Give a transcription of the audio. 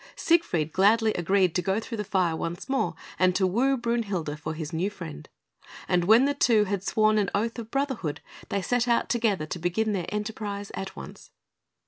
Siegfried gladly agreed to go through the fire once more, and woo Brünhilde for his new friend; and when the two had sworn an oath of brotherhood, they set out together to begin their enterprise at once.